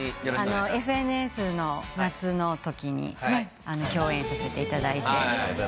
『ＦＮＳ』の夏のときに共演させていただいて。